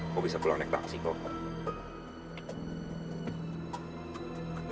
kau bisa pulang naik taksi kau